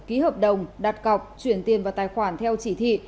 ký hợp đồng đặt cọc chuyển tiền vào tài khoản theo chỉ thị